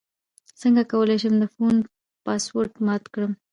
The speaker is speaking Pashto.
څنګه کولی شم د فون پاسورډ مات کړم